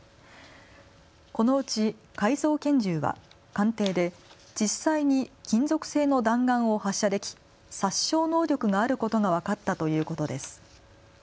このうち改造拳銃は鑑定で実際に金属製の弾丸を発射でき殺傷能力があることが分かったということです。